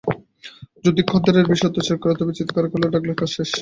যদি খদ্দেররা বেশি অত্যাচার করে, তবে চিত্কার করে ডাকলেই কাজ শেষ।